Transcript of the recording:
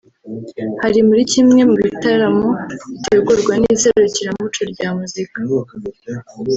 Hari muri kimwe mu bitaramo bitegurwa n’Iserukiramuco rya muzika